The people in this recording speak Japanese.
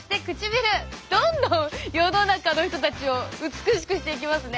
どんどん世の中の人たちを美しくしていきますね。